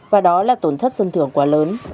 và đó là tổn thất dân thưởng quá lớn